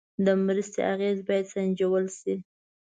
د مرستې اغېز باید سنجول شي.